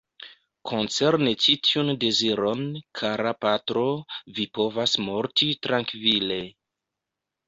Koncerne ĉi tiun deziron, kara patro, vi povas morti trankvile.